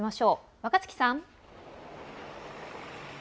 若槻さん。